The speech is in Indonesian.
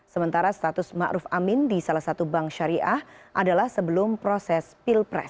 sementara status ma'ruf amin di salah satu bank syariah adalah sebelum proses pilpres